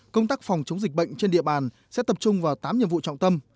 công tác phòng chống dịch bệnh trên địa bàn sẽ tập trung vào tám nhiệm vụ trọng tâm